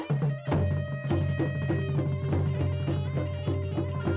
มะพร้าวอ่อนมะพร้าวอ่อน